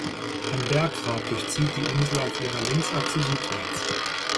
Ein Berggrat durchzieht die Insel auf ihrer Längsachse südwärts.